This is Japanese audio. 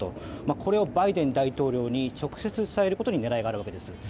これをバイデン大統領に直接、伝えることに狙いがあるわけです。